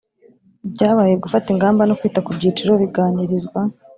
byabaye gufata ingamba no kwita ku byiciro biganirizwa